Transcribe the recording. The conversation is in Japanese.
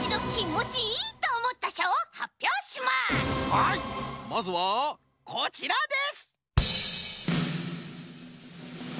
はいまずはこちらです！